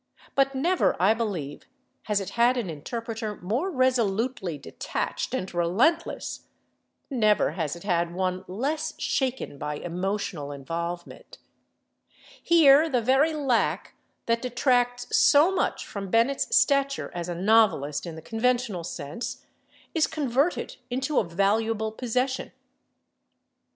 But never, I believe, has it had an interpreter more resolutely detached and relentless—never has it had one less shaken by emotional involvement. Here the very lack that detracts so much from Bennett's stature as a novelist in the conventional sense is converted into a valuable possession.